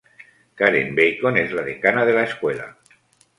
Karen Bacon es la decana de la escuela.